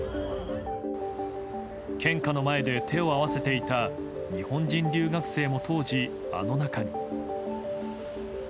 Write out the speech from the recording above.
献花の前で手を合わせていた日本人留学生も当時、あの中に。